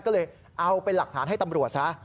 ก็เลยเอาเป็นหลักฐานให้ตำรวจซะ